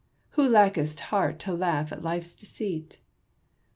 Who lackest heart to laugh at life's deceit."